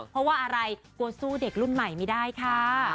เพราะว่าอะไรกลัวสู้เด็กรุ่นใหม่ไม่ได้ค่ะ